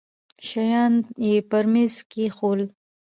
شيان يې پر ميز کښېښوول.